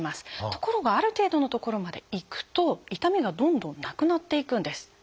ところがある程度のところまでいくと痛みがどんどんなくなっていくんです。